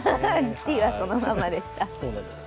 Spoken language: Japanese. Ｔはそのままでした。